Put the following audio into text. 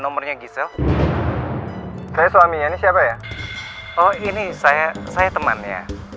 aduh gimana ini